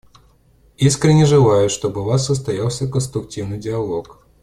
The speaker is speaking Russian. Искренне желаю, чтобы у вас состоялся конструктивный диалог.